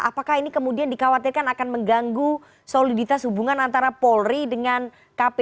apakah ini kemudian dikhawatirkan akan mengganggu soliditas hubungan antara polri dengan kpk